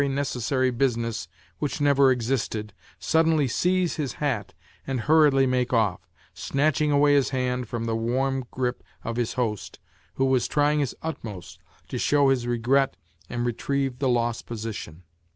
m eessnry business which never existed, suddenly seize his hat and hurriedly make off, snatching away his hand from the warm ^rifi of hi. , ho.st. who was trying his utmost to show hia regret and retrieve the lost position?